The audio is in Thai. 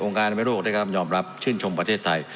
องค์การแม่โรคได้กล้ามยอมรับชื่นชมประเทศไทย